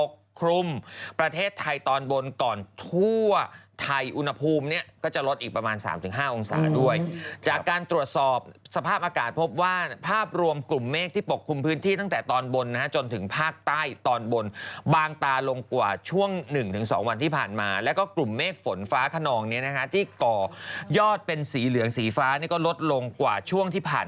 กลุ่มประเทศไทยตอนบนก่อนทั่วไทยอุณหภูมิเนี่ยก็จะลดอีกประมาณ๓๕องศาด้วยจากการตรวจสอบสภาพอากาศพบว่าภาพรวมกลุ่มเมฆที่ปกคลุมพื้นที่ตั้งแต่ตอนบนนะฮะจนถึงภาคใต้ตอนบนบางตาลงกว่าช่วงหนึ่งถึงสองวันที่ผ่านมาแล้วก็กลุ่มเมฆฝนฟ้าขนองเนี่ยนะฮะที่ก่อยอดเป็นสีเหลืองสีฟ้าเนี่ยก็ลดลงกว่าช่วงที่ผ่าน